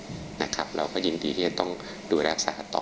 เราก็ยินดีที่จะต้องดูรักษาต่อ